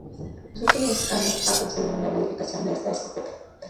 En los últimos años ha aparecido una nueva modificación de esta escopeta.